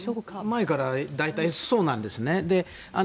前から大体、そうなんですね。